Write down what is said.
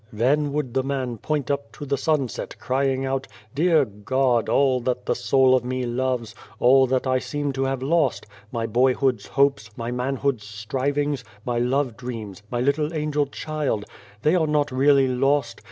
Then would the man point up to the sunset, crying out, ' Dear God, all that the soul of me loves, all that I seem to have lost my boyhood's hopes, my manhood's strivings, my love dreams, my little angel child they are not really lost.